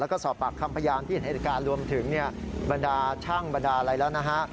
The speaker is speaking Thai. แล้วก็สอบปากคำพยานที่เห็นเหตุการณ์รวมถึงบรรดาช่างบรรดาอะไรแล้วนะฮะ